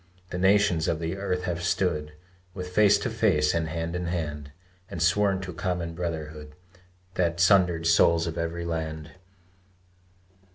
The nations of the earth have stood With face to face and hand in hand, And sworn to common brotherhood The sundered souls of every land.